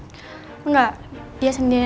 iya dia sendiri atau bersama wanita yang di foto ini